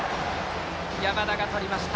山田がとりました。